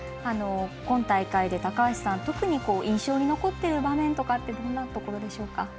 今大会で高橋さん特に印象に残っている場面とかってどんなところでしょうか？